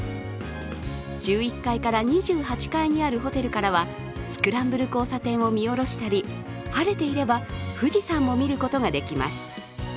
１１階から２８階にあるホテルからはスクランブル交差点を見下ろしたり、晴れていれば富士山を見ることができます。